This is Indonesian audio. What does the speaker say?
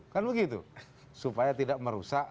kan begitu supaya tidak merusak